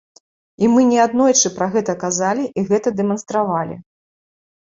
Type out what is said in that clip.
І мы неаднойчы пра гэта казалі і гэта дэманстравалі.